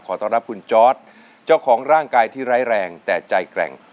ต้อนรับคุณจอร์ดเจ้าของร่างกายที่ไร้แรงแต่ใจแกร่ง